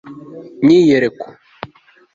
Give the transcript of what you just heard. myiyereko